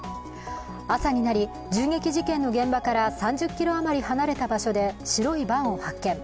朝仁なり、銃撃事件の現場から３０ｋｍ余り離れた場所で白いバンを発見。